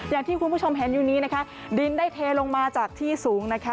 อย่างที่คุณผู้ชมเห็นอยู่นี้นะคะดินได้เทลงมาจากที่สูงนะคะ